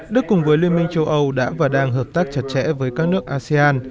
đức cùng với liên minh châu âu đã và đang hợp tác chặt chẽ với các nước asean